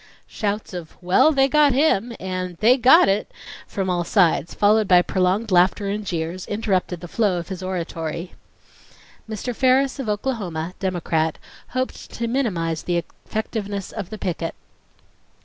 Shouts of "Well, they got him!" and "They got it!" from all sides, followed by prolonged laughter and jeers, interrupted the flow of his oratory. Mr. Ferris of Oklahoma, Democrat, hoped to minimize the effectiveness of the picket.